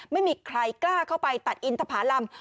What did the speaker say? ไม่มีใครกล้าเข้าไปตัดอินทภารำ